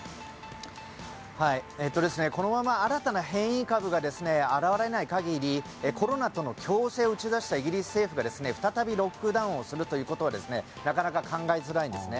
このまま新たな変異株が現れない限りコロナとの共生を打ち出したイギリス政府が再びロックダウンをするということはなかなか考えづらいんですね。